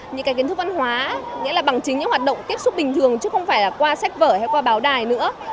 những cái kiến thức văn hóa nghĩa là bằng chính những hoạt động tiếp xúc bình thường chứ không phải là qua sách vở hay qua báo đài nữa